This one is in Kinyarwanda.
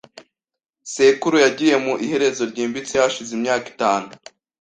Sekuru yagiye mu iherezo ryimbitse hashize imyaka itanu.